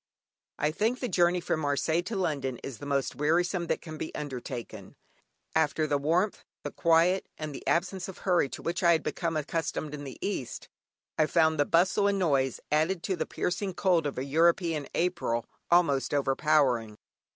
I think the journey from Marseilles to London is the most wearisome that can be undertaken. After the warmth, the quiet, and the absence of hurry to which I had become accustomed in the East, I found the bustle and noise, added to the piercing cold of a European April, almost overpowering.